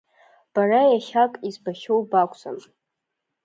Бара иахьак избахьоу бакәӡам.